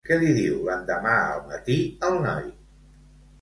Què li diu l'endemà al matí al noi?